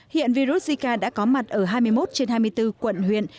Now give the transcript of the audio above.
hiện virus zika đã có mặt ở hai mươi một trên hai mươi bốn quận huyện